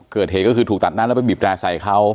เกิดเหตุก็คือถูกตัดหน้าแล้วไปบีบแร่ใส่เขา